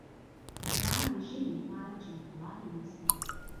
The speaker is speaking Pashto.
پړانګ د ژمي لپاره چمتووالی نیسي.